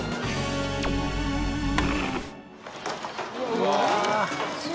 うわ！